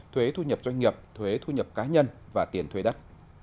thuế thu nhập doanh nghiệp thuế thu nhập cá nhân và tiền thuê đất